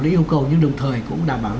lấy yêu cầu nhưng đồng thời cũng đảm bảo